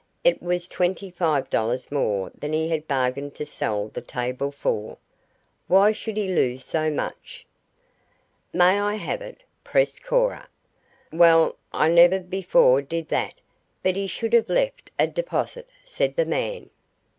It was twenty five dollars more than he had bargained to sell the table for. Why should he lose so much? "May I have it?" pressed Cora. "Well, I never before did that but he should have left a deposit," said the man.